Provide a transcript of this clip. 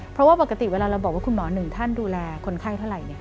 เพราะว่าปกติเวลาเราบอกว่าคุณหมอหนึ่งท่านดูแลคนไข้เท่าไหร่